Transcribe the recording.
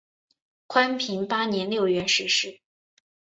宽平八年六月逝世。